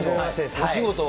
お仕事は。